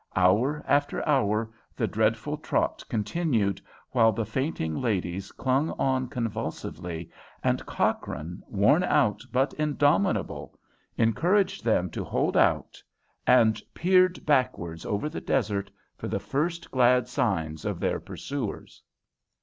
Hour after hour the dreadful trot continued, while the fainting ladies clung on convulsively, and Cochrane, worn out but indomitable, encouraged them to hold out, and peered backwards over the desert for the first glad signs of their pursuers.